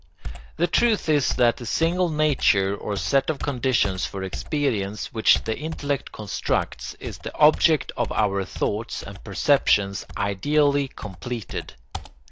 The truth is that the single nature or set of conditions for experience which the intellect constructs is the object of our thoughts and perceptions ideally completed.